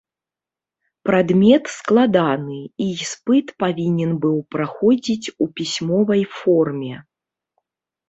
Прадмет складаны, і іспыт павінен быў праходзіць у пісьмовай форме.